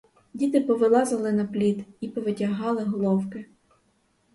Діти повилазили на пліт і повитягали головки.